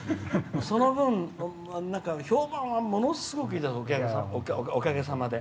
その分、評判はものすごくいいんですおかげさまで。